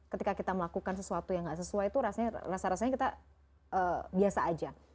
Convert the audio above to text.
ketika kita melakukan sesuatu yang gak sesuai itu rasa rasanya kita biasa aja